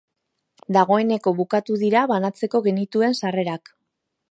Dagoeneko bukatu dira banatzeko genituen sarrerak.